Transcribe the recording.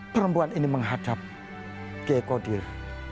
perempuan ini menghadap g kodir